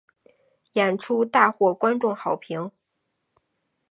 演出大获观众好评。